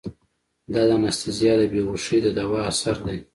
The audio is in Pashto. دا د انستيزي د بېهوشي د دوا اثر ديه.